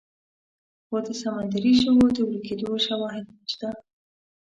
خو د سمندري ژوو د ورکېدو شواهد نشته.